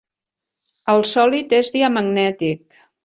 El sòlid és diamagnètic.